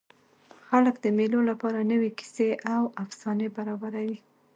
خلک د مېلو له پاره نوي کیسې او افسانې برابروي.